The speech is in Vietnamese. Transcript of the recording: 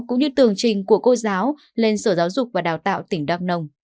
cũng như tương trình của cô giáo lên sở giáo dục và đào tạo tỉnh đăng nông